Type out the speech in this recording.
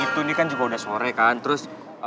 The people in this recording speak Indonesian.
itu ini kan juga udah sore kan terus